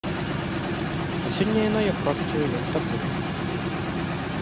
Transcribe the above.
А сёння яна, як кажуць, жыве на таблетках.